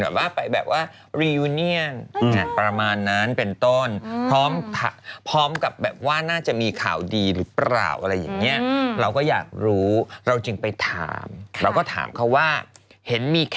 ข้าวนี้จบไป